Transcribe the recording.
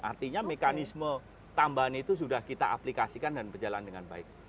artinya mekanisme tambahan itu sudah kita aplikasikan dan berjalan dengan baik